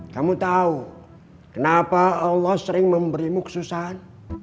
kamu tahu kenapa allah sering memberimu kesusahan